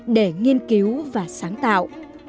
để nghiên cứu và sáng tạo